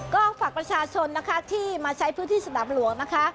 ก็ฝากประชาชนนะคะที่มาใช้พื้นที่สนามหลวงนะคะ